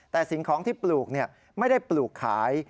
แต่สิ่งของที่ปลูกไม่ได้ปลูกขาย